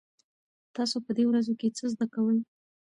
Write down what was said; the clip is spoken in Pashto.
تاسو په دې ورځو کې څه زده کوئ؟